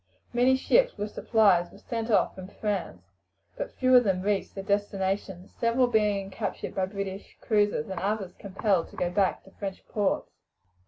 Many ships with supplies were sent off from France, but few of them reached their destination; several being captured by British cruisers, and others compelled to go back to French ports.